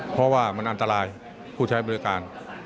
เพราะว่ามันอันตรายผู้ใช้บริการ